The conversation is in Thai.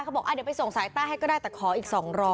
บอกเดี๋ยวไปส่งสายใต้ให้ก็ได้แต่ขออีก๒๐๐